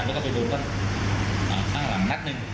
แล้วก็ไปดูก็ข้างหลังนัดหนึ่ง